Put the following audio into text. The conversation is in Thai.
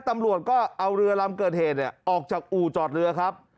ตำรวจก็เอาเรือลำเกิดเหตุออกจากอู่จอดเรือครับ